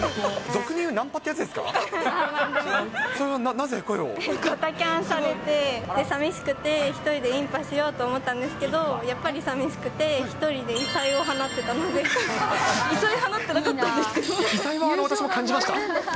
ドタキャンされて、さみしくて、１人でインパしようと思ったんですけど、やっぱりさみしくて、異彩放ってなかったんですけ異彩は私も感じました。